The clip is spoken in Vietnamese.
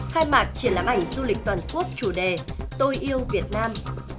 khai mạc triển lãm ảnh du lịch toàn quốc chủ đề tôi yêu việt nam